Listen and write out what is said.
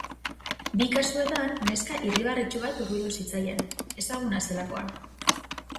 Bi kasuetan, neska irribarretsu bat hurbildu zitzaien, ezaguna zelakoan.